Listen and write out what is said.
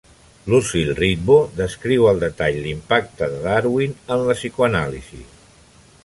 Lucille Ritvo descriu al detall l'impacte de Darwin en la psicoanàlisi.